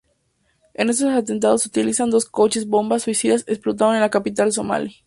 En estos atentados se utilizaron dos coches bomba suicidas explotaron en la capital somalí.